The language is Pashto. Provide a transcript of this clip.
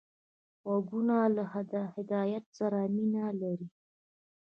غوږونه له هدایت سره مینه لري